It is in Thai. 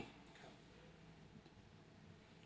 จดทะเบียนสมรถกันตั้งแต่ปีห้าศูนย์